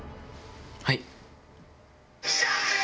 はい。